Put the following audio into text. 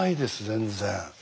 全然。